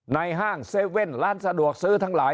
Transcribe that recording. ในห้างเซเว่นล้านสะดวกซื้อทั้งหลาย